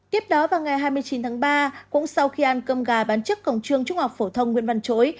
tiếp đó vào ngày hai mươi chín tháng ba cũng sau khi ăn cơm gà bán trước cổng trường trung học phổ thông nguyễn văn chối